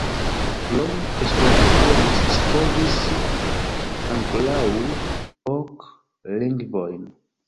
Krom Esperanto li scipovis ankoraŭ ok lingvojn.